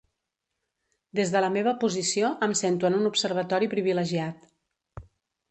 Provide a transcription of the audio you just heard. Des de la meva posició em sento en un observatori privilegiat.